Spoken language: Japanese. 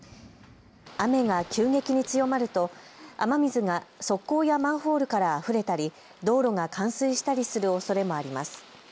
雨が急激に強まると雨水が側溝やマンホールからあふれたり道路が冠水したりするおそれもあります。